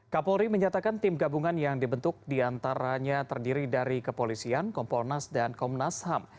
kapolri menyatakan tim gabungan yang dibentuk diantaranya terdiri dari kepolisian kompolnas dan komnas ham